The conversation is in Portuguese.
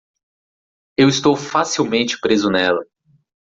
Eu estou facilmente preso nela.